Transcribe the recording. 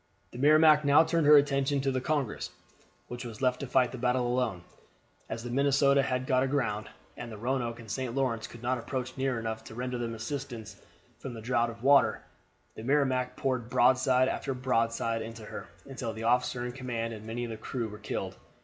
The Merrimac now turned her attention to the Congress, which was left to fight the battle alone, as the Minnesota had got aground, and the Roanoake and St. Lawrence could not approach near enough to render them assistance from their draught of water. The Merrimac poured broadside after broadside into her, until the officer in command and many of the crew were killed.